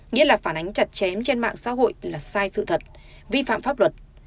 nghĩa là phản ánh chặt chém trên mạng xã hội là sai sự thật vi phạm pháp luật